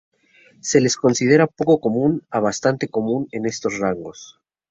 Se les considera poco común a bastante común en estos rangos.